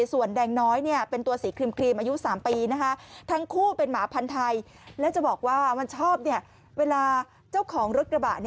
ส่วนแดงน้อยเป็นตัวสีครีมอายุไฟสามปีนะคะ